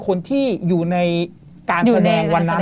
คนที่อยู่ในการแสดงวันนั้น